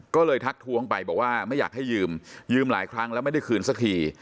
ก็เลยทักทวงไปบอกว่าไม่อยากให้ยืมยืมหลายครั้งแล้วไม่ได้คืนสักที